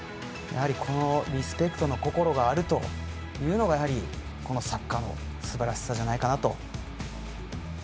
リスペクトの心があるというのがやはり、このサッカーのすばらしさじゃないかなと。